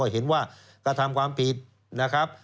เห็นว่ากระทำความผิดนะครับ